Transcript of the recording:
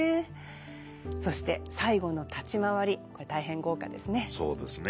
そして最後の立ち廻りこれ大変豪華ですね。